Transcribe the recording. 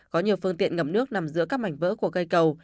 có nhiều phương tiện ngấm nước nằm giữa các mảnh vỡ của cây cầu